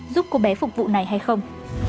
giúp cô bé phục vụ này hay không